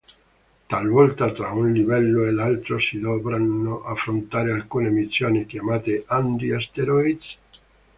Talvolta tra un livello e l'altro si dovranno affrontare alcune missioni chiamate "Andy Asteroids?